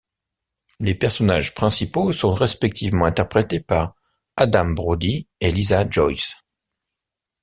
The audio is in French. Les personnages principaux sont respectivement interprétés par Adam Brody et Lisa Joyce.